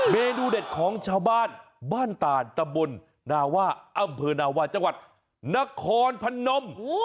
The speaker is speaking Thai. เมนูเด็ดของชาวบ้านบ้านต่านตำบลนาว่าอำเภอนาวาจังหวัดนครพนม